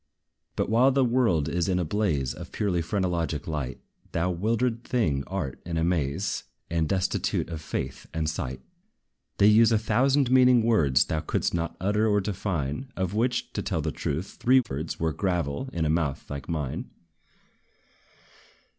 But, while the world is in a blaze Of purely phrenologic light, Thou, wildered thing, art in a maze, And destitute of faith and sight. They use a thousand meaning words Thou couldst not utter or define, Of which, to tell the truth, three thirds Were gravel, in a mouth like thine.